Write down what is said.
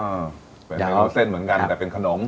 เป็นเมนูเส้นเหมือนกันแต่เป็นขนม